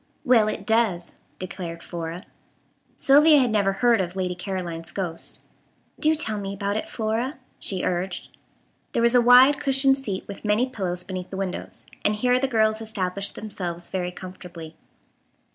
"Well, it does," declared Flora. Sylvia had never heard of Lady Caroline's ghost. "Do tell me about it, Flora," she urged. There was a wide cushioned seat with many pillows beneath the windows, and here the girls established themselves very comfortably.